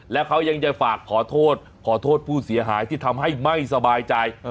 และเขายังจะฝากขอโทษขอโทษผู้เสียหายที่ทำให้ไม่สบายใจ